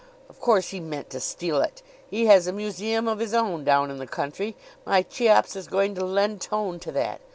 Of course he meant to steal it! He has a museum of his own down in the country. My Cheops is going to lend tone to that.